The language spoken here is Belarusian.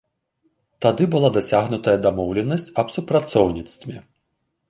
Тады была дасягнутая дамоўленасць аб супрацоўніцтве.